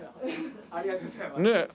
ありがとうございます。